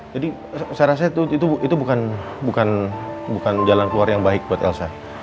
jadi saya rasa itu bukan jalan keluar yang baik buat elsa